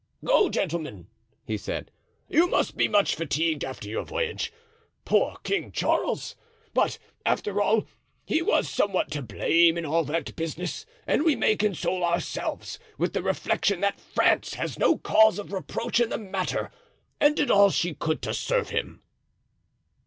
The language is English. "Go, gentlemen," he said; "you must be much fatigued after your voyage. Poor King Charles! But, after all, he was somewhat to blame in all that business and we may console ourselves with the reflection that France has no cause of reproach in the matter and did all she could to serve him."